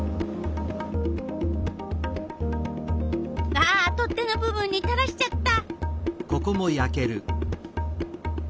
あ取っ手の部分にたらしちゃった。